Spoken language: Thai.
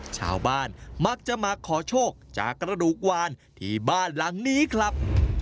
ชาวบ้านมักจะมาขอโชคจากกระดูกวานที่บ้านหลังนี้ครับ